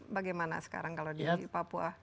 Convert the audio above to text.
bagaimana sekarang kalau di papua